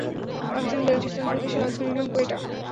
পাকিস্তানের বেলুচিস্তান প্রদেশের রাজধানীর নাম কোয়েটা।